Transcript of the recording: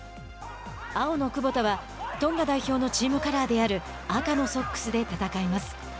青のクボタはトンガ代表のチームカラーである赤のソックスで戦います。